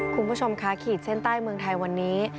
คุณผู้ชมค่ะขีดเส้นใต้เมืองไทยวันนี้